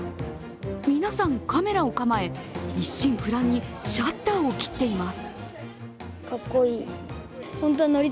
皆さん、カメラを構え一心不乱にシャッターを切っています。